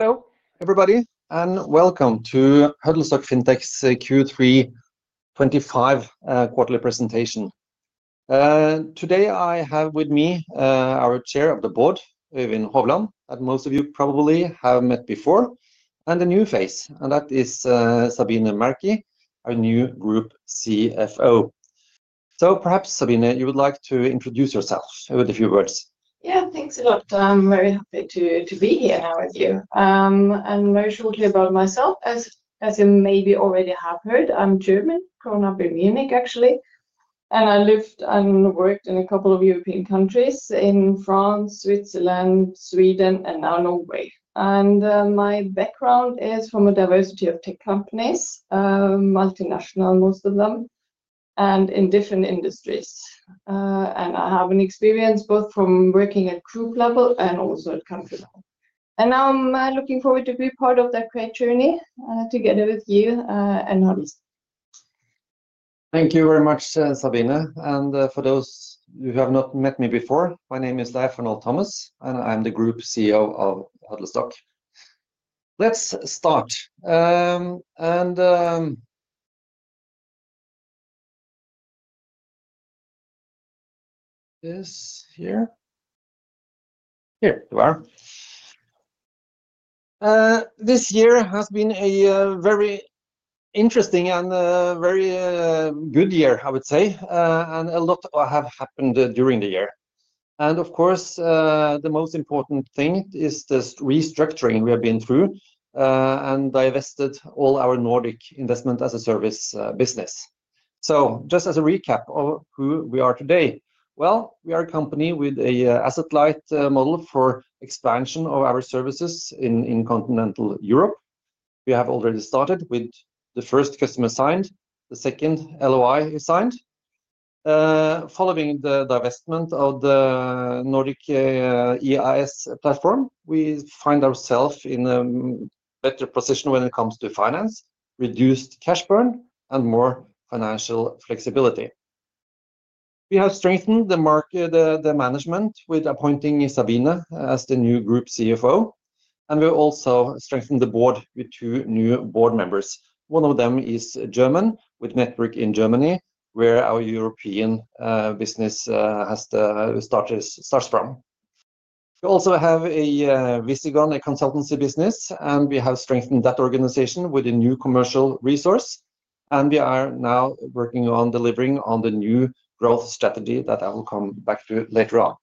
Hello, everybody, and welcome to Huddlestock Fintech's Q3 2025 quarterly presentation. Today I have with me our Chair of the Board, Øyvind Hovland, that most of you probably have met before, and a new face, and that is Sabine Merky, our new Group CFO. Perhaps, Sabine, you would like to introduce yourself with a few words. Yeah, thanks a lot. I'm very happy to be here now with you. Very shortly about myself, as you maybe already have heard, I'm German, born and up in Munich, actually. I lived and worked in a couple of European countries: in France, Switzerland, Sweden, and now Norway. My background is from a diversity of tech companies, multinational, most of them, and in different industries. I have an experience both from working at group level and also at country level. Now I'm looking forward to be part of that great journey together with you and Huddlestock. Thank you very much, Sabine. For those who have not met me before, my name is Leif Arnold Thomas, and I'm the Group CEO of Huddlestock. Let's start. This year has been a very interesting and very good year, I would say, and a lot have happened during the year. Of course, the most important thing is this restructuring we have been through and divested all our Nordic Investment as a Service business. Just as a recap of who we are today, we are a company with an asset-light model for expansion of our services in continental Europe. We have already started with the first customer signed, the second LOI is signed. Following the divestment of the Nordic EIS platform, we find ourselves in a better position when it comes to finance, reduced cash burn, and more financial flexibility. We have strengthened the market, the management, with appointing Sabine as the new Group CFO. We also strengthened the board with two new board members. One of them is German, with network in Germany, where our European business starts from. We also have Visigoth, a consultancy business, and we have strengthened that organization with a new commercial resource. We are now working on delivering on the new growth strategy that I will come back to later on.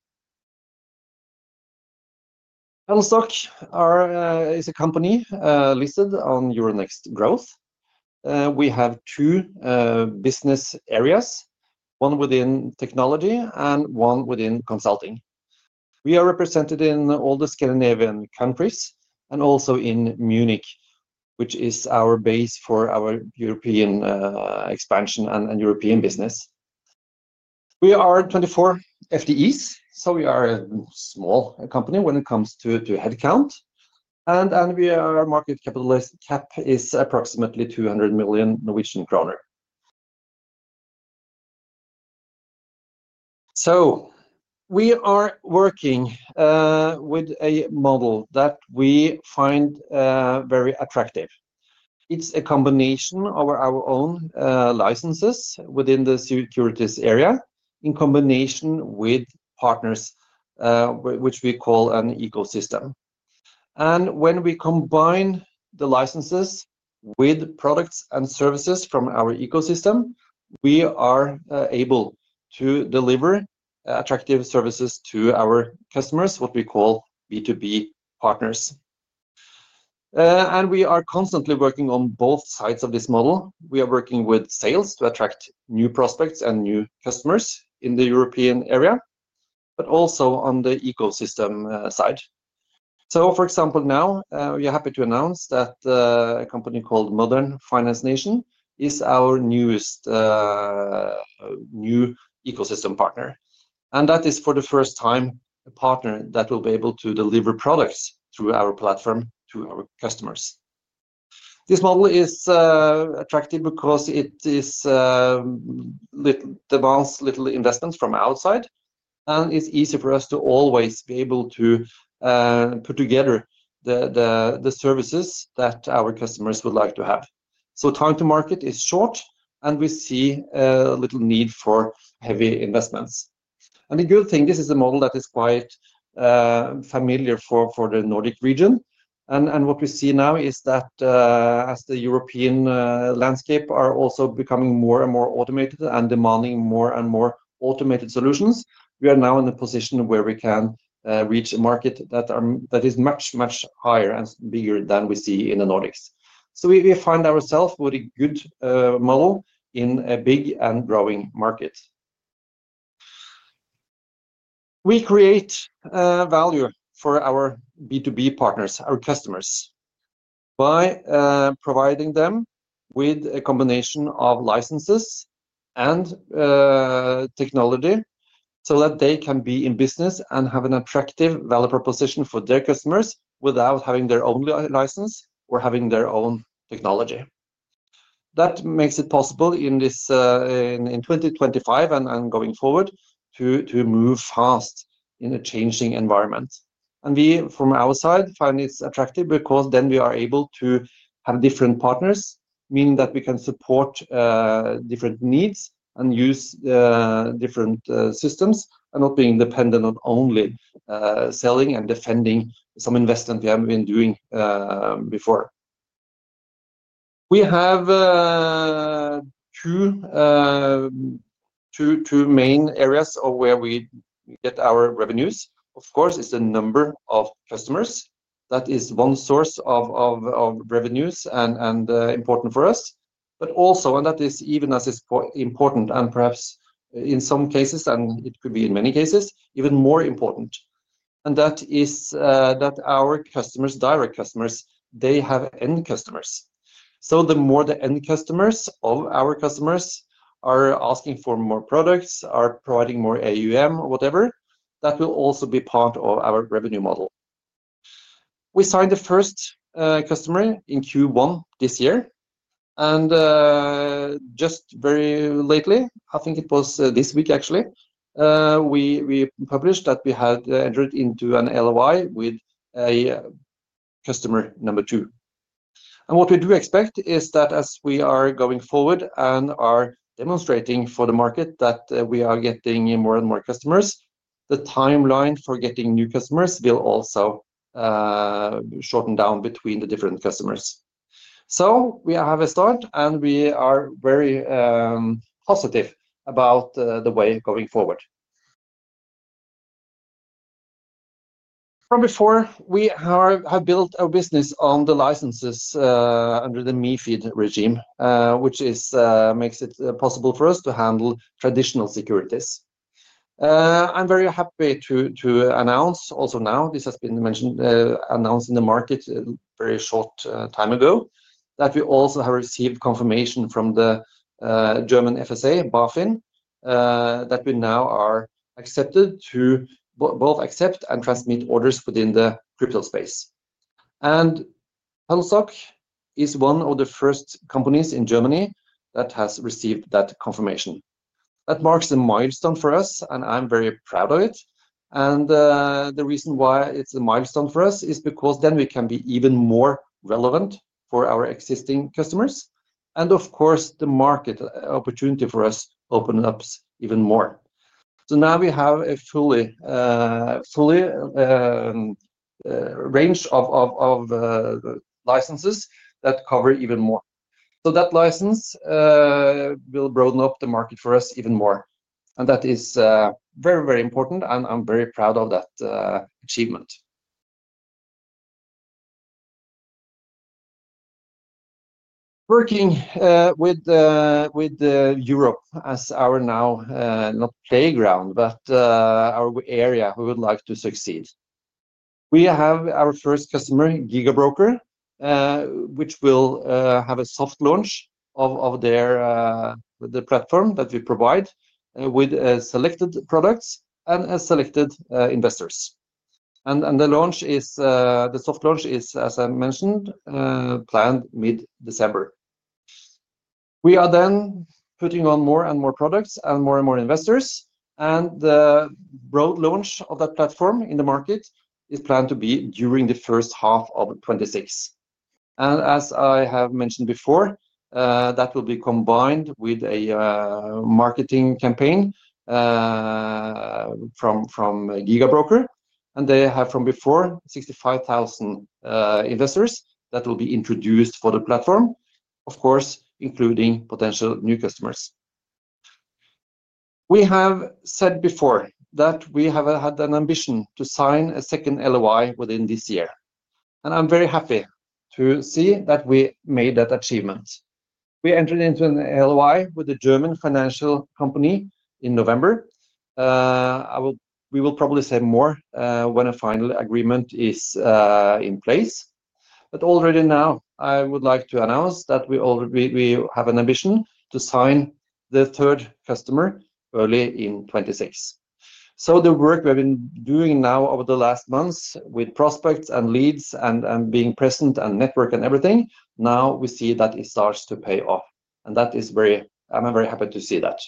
Huddlestock is a company listed on Euronext Growth. We have two business areas, one within technology and one within consulting. We are represented in all the Scandinavian countries and also in Munich, which is our base for our European expansion and European business. We are 24 FTEs, so we are a small company when it comes to headcount. Our market capital cap is approximately 200 million Norwegian kroner. We are working with a model that we find very attractive. It's a combination of our own licenses within the securities area in combination with partners, which we call an ecosystem. When we combine the licenses with products and services from our ecosystem, we are able to deliver attractive services to our customers, what we call B2B partners. We are constantly working on both sides of this model. We are working with sales to attract new prospects and new customers in the European area, but also on the ecosystem side. For example, now we are happy to announce that a company called Modern Finance Nation is our newest ecosystem partner. That is for the first time a partner that will be able to deliver products through our platform to our customers. This model is attractive because it demands little investments from outside, and it's easy for us to always be able to put together the services that our customers would like to have. Time to market is short, and we see a little need for heavy investments. The good thing is this is a model that is quite familiar for the Nordic region. What we see now is that as the European landscape is also becoming more and more automated and demanding more and more automated solutions, we are now in a position where we can reach a market that is much, much higher and bigger than we see in the Nordics. We find ourselves with a good model in a big and growing market. We create value for our B2B partners, our customers, by providing them with a combination of licenses and technology so that they can be in business and have an attractive value proposition for their customers without having their own license or having their own technology. That makes it possible in 2025 and going forward to move fast in a changing environment. We, from our side, find it's attractive because then we are able to have different partners, meaning that we can support different needs and use different systems and not being dependent on only selling and defending some investment we have been doing before. We have two main areas of where we get our revenues. Of course, it's the number of customers. That is one source of revenues and important for us. That is even as important and perhaps in some cases, and it could be in many cases, even more important. That is that our customers, direct customers, they have end customers. The more the end customers of our customers are asking for more products, are providing more AUM, whatever, that will also be part of our revenue model. We signed the first customer in Q1 this year. Just very lately, I think it was this week, actually, we published that we had entered into an LOI with a customer number two. What we do expect is that as we are going forward and are demonstrating for the market that we are getting more and more customers, the timeline for getting new customers will also shorten down between the different customers. We have a start, and we are very positive about the way going forward. From before, we have built our business on the licenses under the MiFID regime, which makes it possible for us to handle traditional securities. I'm very happy to announce also now, this has been announced in the market a very short time ago, that we also have received confirmation from the German FSA, BaFin, that we now are accepted to both accept and transmit orders within the crypto space. Huddlestock is one of the first companies in Germany that has received that confirmation. That marks a milestone for us, and I'm very proud of it. The reason why it's a milestone for us is because then we can be even more relevant for our existing customers. Of course, the market opportunity for us opens up even more. Now we have a full range of licenses that cover even more. That license will broaden up the market for us even more. That is very, very important, and I'm very proud of that achievement. Working with Europe as our, now, not playground, but our area, we would like to succeed. We have our first customer, GigaBroker, which will have a soft launch of the platform that we provide with selected products and selected investors. The soft launch is, as I mentioned, planned mid-December. We are then putting on more and more products and more and more investors. The broad launch of that platform in the market is planned to be during the first half of 2026. As I have mentioned before, that will be combined with a marketing campaign from GigaBroker. They have, from before, 65,000 investors that will be introduced for the platform, of course, including potential new customers. We have said before that we have had an ambition to sign a second LOI within this year. I am very happy to see that we made that achievement. We entered into an LOI with a German financial company in November. We will probably say more when a final agreement is in place. Already now, I would like to announce that we have an ambition to sign the third customer early in 2026. The work we have been doing now over the last months with prospects and leads and being present and network and everything, now we see that it starts to pay off. I am very happy to see that.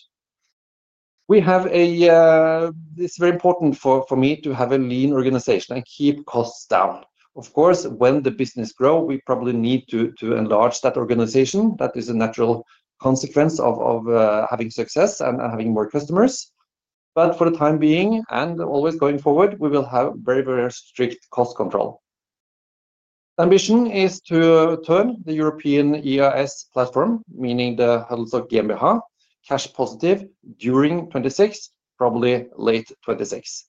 We have, it's very important for me to have a lean organization and keep costs down. Of course, when the business grows, we probably need to enlarge that organization. That is a natural consequence of having success and having more customers. For the time being and always going forward, we will have very, very strict cost control. Ambition is to turn the European EIS platform, meaning the Huddlestock GmbH, cash positive during 2026, probably late 2026.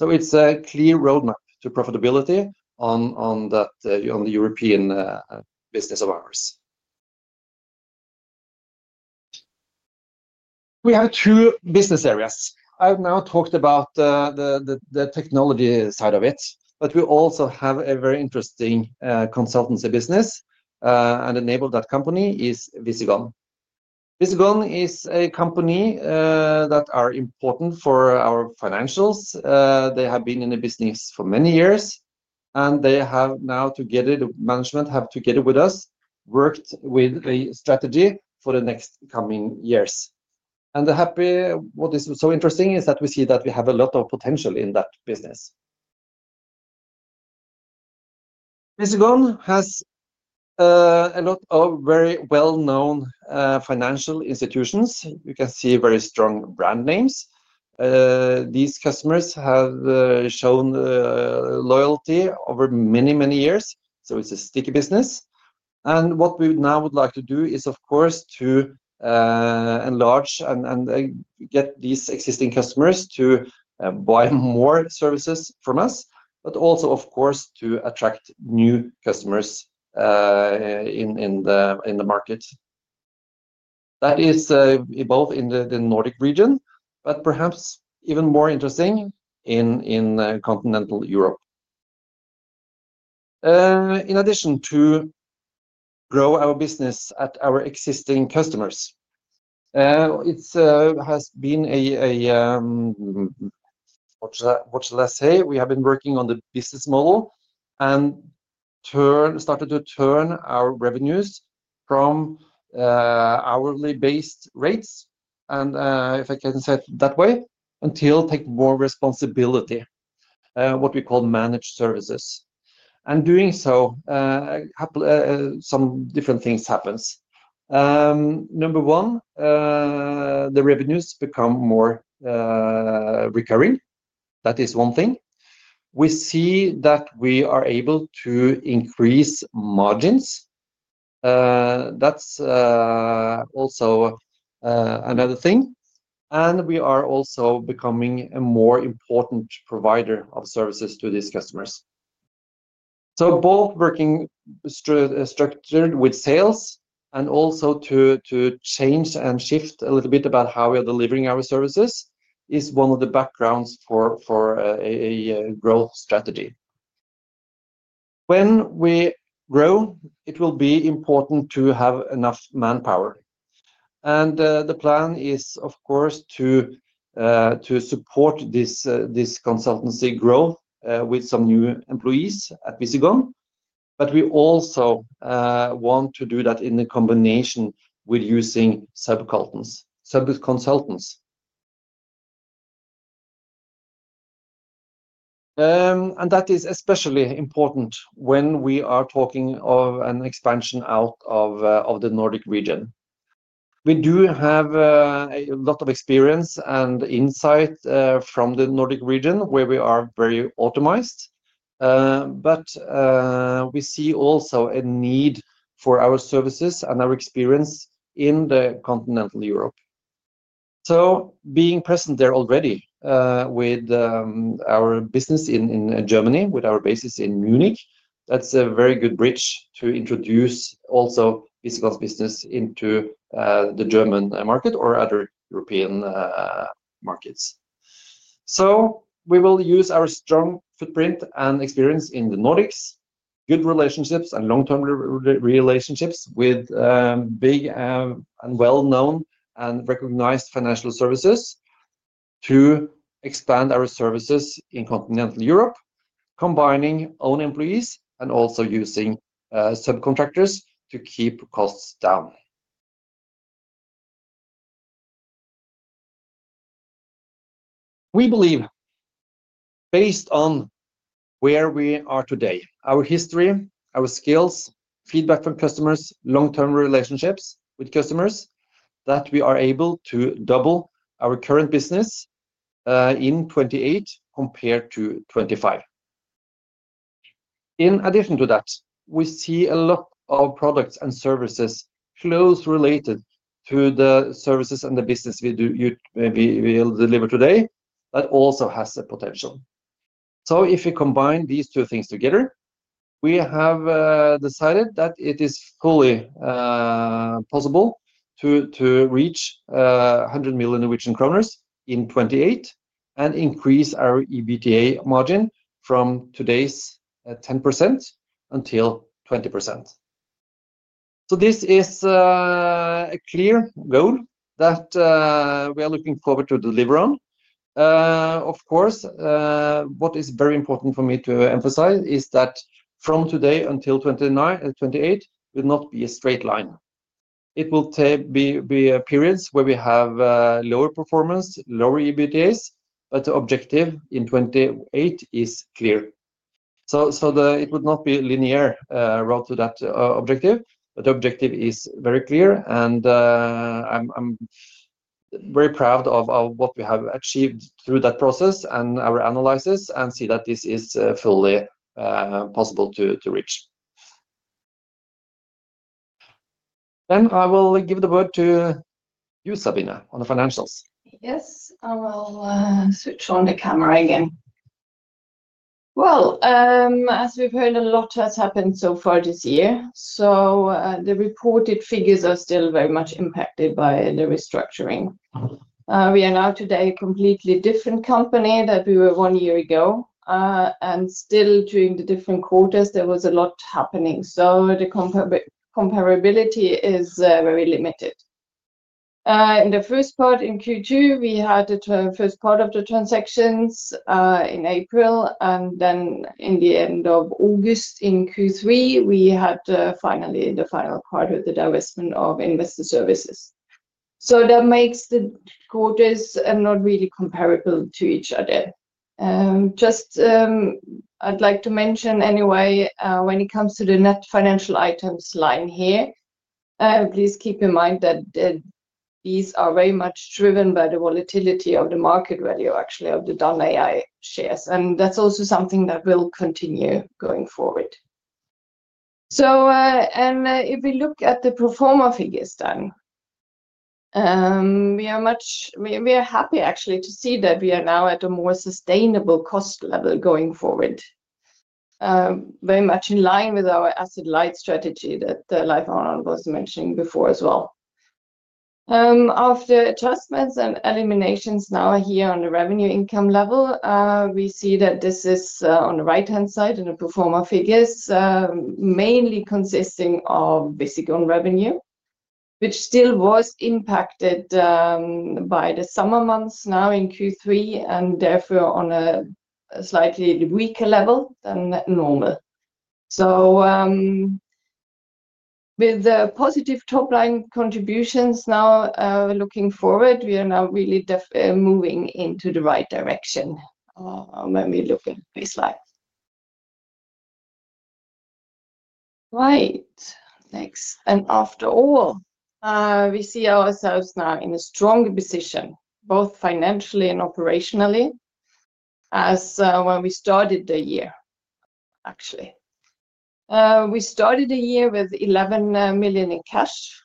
It is a clear roadmap to profitability on the European business of ours. We have two business areas. I've now talked about the technology side of it, but we also have a very interesting consultancy business. The name of that company is Visigoth. Visigoth is a company that is important for our financials. They have been in the business for many years, and they have now, together, the management have together with us, worked with a strategy for the next coming years. What is so interesting is that we see that we have a lot of potential in that business. Visigoth has a lot of very well-known financial institutions. You can see very strong brand names. These customers have shown loyalty over many, many years. It is a sticky business. What we now would like to do is, of course, to enlarge and get these existing customers to buy more services from us, but also, of course, to attract new customers in the market. That is both in the Nordic region, but perhaps even more interesting in continental Europe. In addition to grow our business at our existing customers, it has been a, what shall I say, we have been working on the business model and started to turn our revenues from hourly-based rates, and if I can say it that way, until taking more responsibility, what we call managed services. Doing so, some different things happen. Number one, the revenues become more recurring. That is one thing. We see that we are able to increase margins. That is also another thing. We are also becoming a more important provider of services to these customers. Both working structured with sales and also to change and shift a little bit about how we are delivering our services is one of the backgrounds for a growth strategy. When we grow, it will be important to have enough manpower. The plan is, of course, to support this consultancy growth with some new employees at Visigoth. We also want to do that in combination with using subconsultants. That is especially important when we are talking of an expansion out of the Nordic region. We do have a lot of experience and insight from the Nordic region where we are very optimized. We see also a need for our services and our experience in continental Europe. Being present there already with our business in Germany, with our basis in Munich, that is a very good bridge to introduce also Visigoth's business into the German market or other European markets. We will use our strong footprint and experience in the Nordics, good relationships and long-term relationships with big and well-known and recognized financial services to expand our services in continental Europe, combining own employees and also using subcontractors to keep costs down. We believe, based on where we are today, our history, our skills, feedback from customers, long-term relationships with customers, that we are able to double our current business in 2028 compared to 2025. In addition to that, we see a lot of products and services closely related to the services and the business we will deliver today that also has a potential. If we combine these two things together, we have decided that it is fully possible to reach 100 million Norwegian kroner in 2028 and increase our EBITDA margin from today's 10%-20%. This is a clear goal that we are looking forward to deliver on. Of course, what is very important for me to emphasize is that from today until 2028, it will not be a straight line. There will be periods where we have lower performance, lower EBITDAs, but the objective in 2028 is clear. It will not be a linear route to that objective. The objective is very clear, and I am very proud of what we have achieved through that process and our analysis and see that this is fully possible to reach. I will give the word to you, Sabine, on the financials. Yes, I will switch on the camera again. As we have heard, a lot has happened so far this year. The reported figures are still very much impacted by the restructuring. We are now today a completely different company than we were one year ago. Still, during the different quarters, there was a lot happening. The comparability is very limited. In the first part in Q2, we had the first part of the transactions in April. In the end of August in Q3, we had finally the final part with the divestment of investor services. That makes the quarters not really comparable to each other. I would like to mention anyway, when it comes to the net financial items line here, please keep in mind that these are very much driven by the volatility of the market value, actually, of the Done.ai shares. That is also something that will continue going forward. If we look at the pro forma figures then, we are happy actually to see that we are now at a more sustainable cost level going forward, very much in line with our asset-light strategy that Leif Arnold was mentioning before as well. Of the adjustments and eliminations now here on the revenue income level, we see that this is on the right-hand side in the pro forma figures, mainly consisting of Visigoth revenue, which still was impacted by the summer months now in Q3 and therefore on a slightly weaker level than normal. With the positive top-line contributions now looking forward, we are now really moving into the right direction when we look at the baseline. Right. Next. After all, we see ourselves now in a strong position, both financially and operationally, as when we started the year, actually. We started the year with 11 million in cash.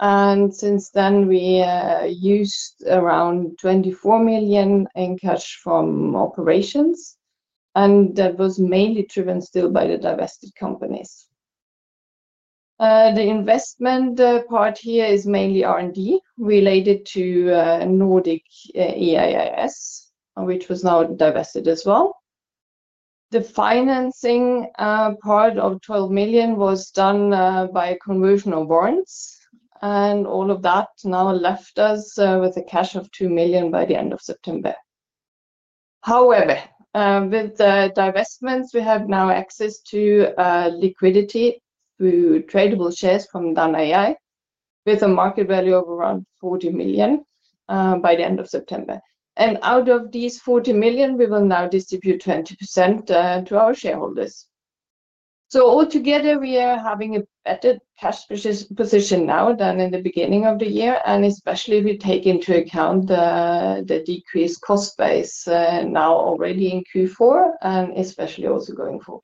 Since then, we used around 24 million in cash from operations. That was mainly driven still by the divested companies. The investment part here is mainly R&D related to Nordic EIS, which was now divested as well. The financing part of 12 million was done by conversion of warrants. All of that now left us with a cash of 2 million by the end of September. However, with the divestments, we have now access to liquidity through tradable shares from Done.ai with a market value of around 40 million by the end of September. Out of these 40 million, we will now distribute 20% to our shareholders. Altogether, we are having a better cash position now than in the beginning of the year, and especially if we take into account the decreased cost base now already in Q4 and especially also going forward.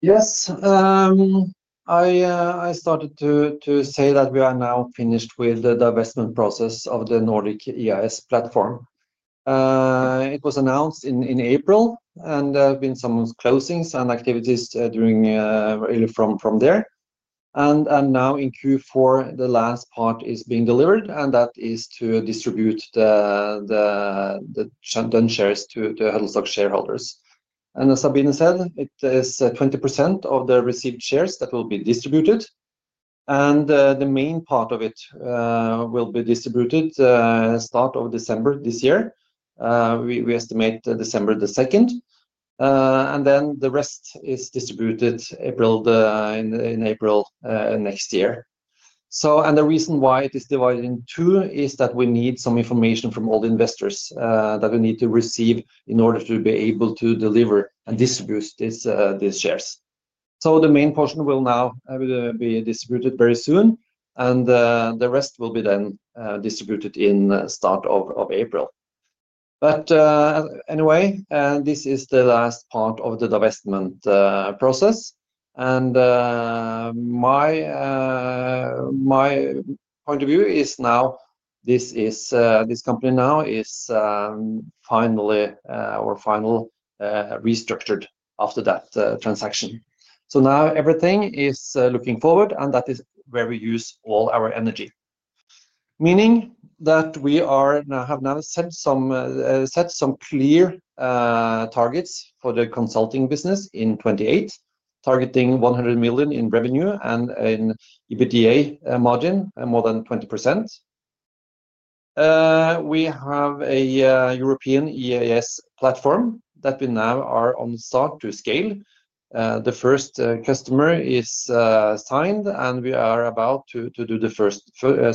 Yes. I started to say that we are now finished with the divestment process of the Nordic EIS platform. It was announced in April, and there have been some closings and activities from there. Now in Q4, the last part is being delivered, and that is to distribute the shares to the Huddlestock shareholders. As Sabine said, it is 20% of the received shares that will be distributed. The main part of it will be distributed start of December this year. We estimate December 2nd. The rest is distributed in April next year. The reason why it is divided in two is that we need some information from all the investors that we need to receive in order to be able to deliver and distribute these shares. The main portion will now be distributed very soon, and the rest will be then distributed in the start of April. Anyway, this is the last part of the divestment process. My point of view is now this company now is finally restructured after that transaction. Now everything is looking forward, and that is where we use all our energy. Meaning that we have now set some clear targets for the consulting business in 2028, targeting 100 million in revenue and an EBITDA margin more than 20%. We have a European EIS platform that we now are on start to scale. The first customer is signed, and we are about to do the first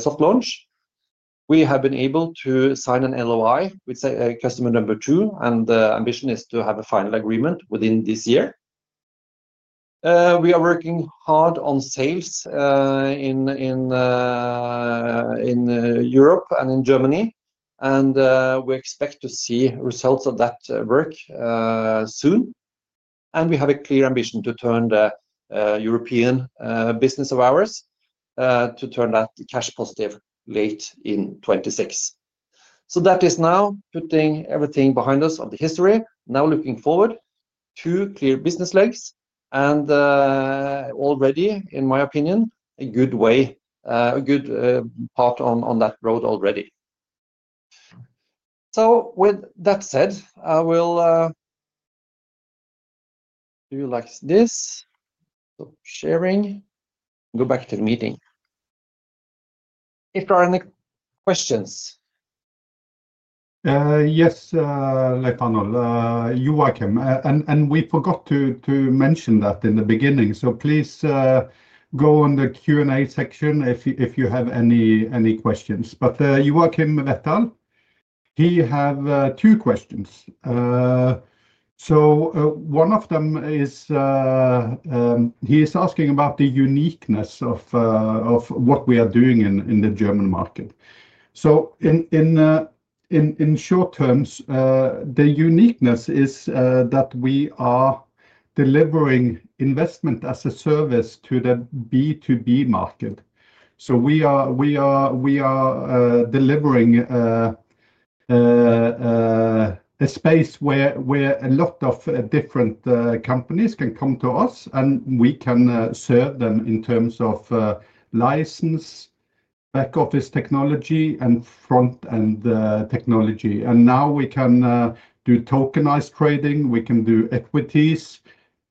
soft launch. We have been able to sign an LOI with customer number two, and the ambition is to have a final agreement within this year. We are working hard on sales in Europe and in Germany, and we expect to see results of that work soon. We have a clear ambition to turn the European business of ours to turn that cash positive late in 2026. That is now putting everything behind us of the history, now looking forward to clear business legs and already, in my opinion, a good way, a good part on that road already. With that said, I will do like this. Stop sharing. Go back to the meeting. If there are any questions. Yes, Leif Arnold, Joachim. We forgot to mention that in the beginning. Please go on the Q&A section if you have any questions. Joachim Vetter. He has two questions. One of them is he is asking about the uniqueness of what we are doing in the German market. In short terms, the uniqueness is that we are delivering Investment as a Service to the B2B market. We are delivering a space where a lot of different companies can come to us, and we can serve them in terms of license, back-office technology, and front-end technology. Now we can do tokenized trading. We can do equities,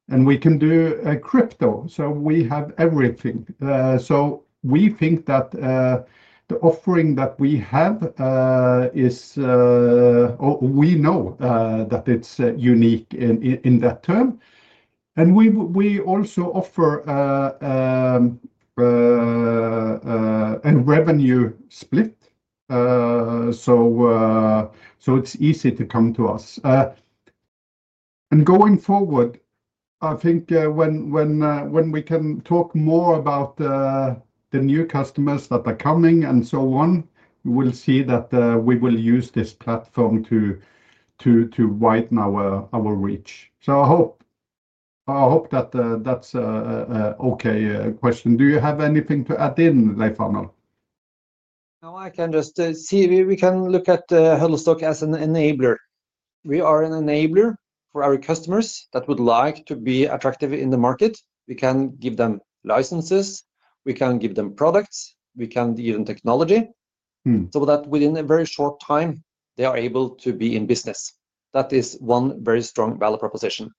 and we can do crypto. We have everything. We think that the offering that we have is, we know that it's unique in that term. We also offer a revenue split, so it's easy to come to us. Going forward, I think when we can talk more about the new customers that are coming and so on, we will see that we will use this platform to widen our reach. I hope that that's an okay question. Do you have anything to add in, Leif Arnold? No, I can just say we can look at Huddlestock as an enabler. We are an enabler for our customers that would like to be attractive in the market. We can give them licenses. We can give them products. We can give them technology so that within a very short time, they are able to be in business. That is one very strong value proposition.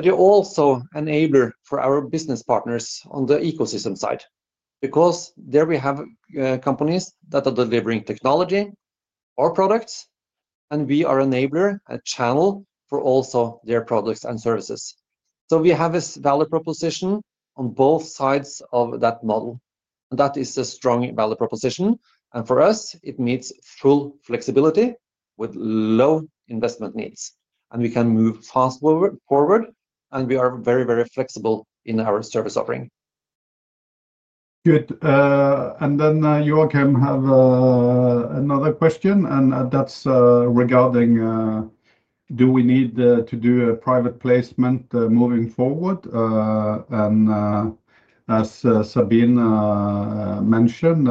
You are also an enabler for our business partners on the ecosystem side because there we have companies that are delivering technology, our products, and we are an enabler, a channel for also their products and services. We have this value proposition on both sides of that model. That is a strong value proposition. For us, it meets full flexibility with low investment needs. We can move fast forward, and we are very, very flexible in our service offering. Good. Joachim can have another question, and that is regarding do we need to do a private placement moving forward? As Sabine mentioned,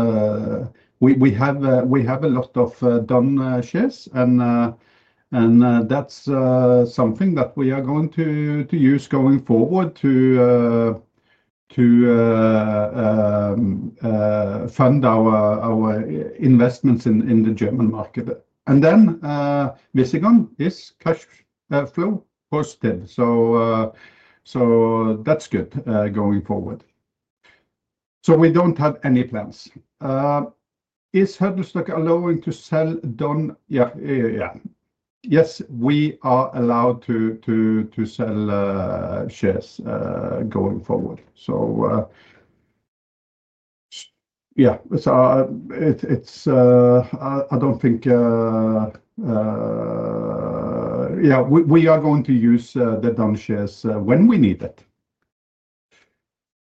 we have a lot of Done.ai shares, and that is something that we are going to use going forward to fund our investments in the German market. Visigoth is cash flow positive. That is good going forward. We do not have any plans. Is Huddlestock allowing to sell Done.ai? Yeah. Yes, we are allowed to sell shares going forward. So yeah, I do not think, yeah, we are going to use the Done.ai shares when we need it.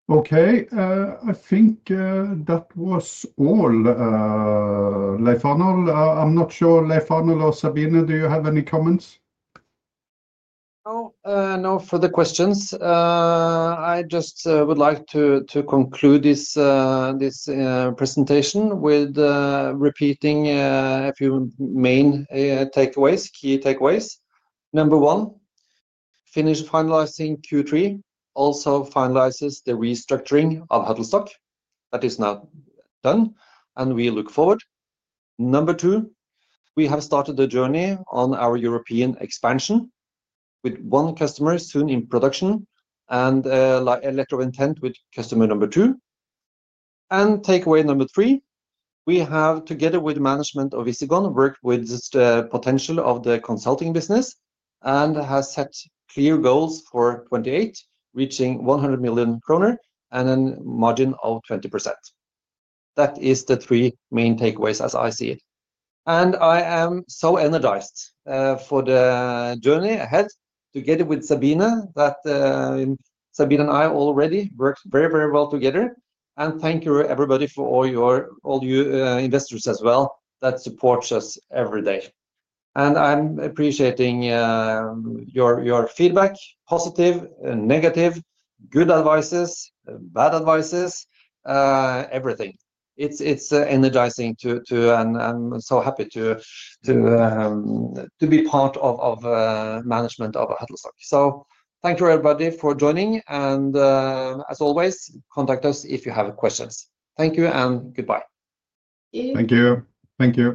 Okay. I think that was all, Leif Arnold. I am not sure, Leif Arnold or Sabine, do you have any comments? No, no further questions. I just would like to conclude this presentation with repeating a few main key takeaways. Number one, finish finalizing Q3 also finalizes the restructuring of Huddlestock. That is now done, and we look forward. Number two, we have started the journey on our European expansion with one customer soon in production and letter of intent with customer number two. Takeaway number three, we have, together with the management of Visigoth, worked with the potential of the consulting business and has set clear goals for 2028, reaching 100 million kroner and a margin of 20%. That is the three main takeaways as I see it. I am so energized for the journey ahead together with Sabine. Sabine and I already worked very, very well together. Thank you, everybody, for all you investors as well that support us every day. I am appreciating your feedback, positive, negative, good advices, bad advices, everything. It is energizing to, and I am so happy to be part of management of Huddlestock. Thank you, everybody, for joining. As always, contact us if you have questions. Thank you and goodbye. Thank you. Thank you.